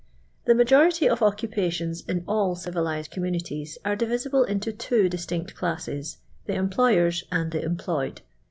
The majority of occupations in all civilized coni nnnmiL'% .'»r«' diviMble into two distinct classes, the employers and the employed.